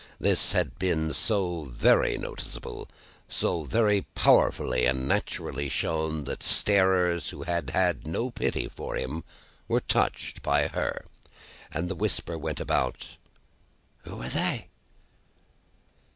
This had been so very noticeable, so very powerfully and naturally shown, that starers who had had no pity for him were touched by her; and the whisper went about, "Who are they?"